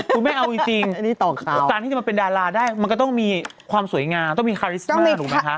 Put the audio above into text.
คุณแม่เอาจริงการที่จะมาเป็นดาราได้มันก็ต้องมีความสวยงามต้องมีคาริสมาถูกไหมคะ